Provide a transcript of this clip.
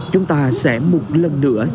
chúng ta sẽ một lần nữa